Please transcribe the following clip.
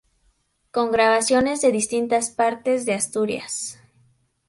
Con grabaciones de distintas partes de Asturias.